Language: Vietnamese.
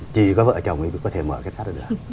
chỉ có vợ chồng thì có thể mở kết sắt ra được